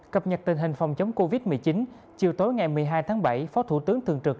cập nhật tình hình phòng chống covid một mươi chín chiều tối ngày một mươi hai tháng bảy phó thủ tướng thường trực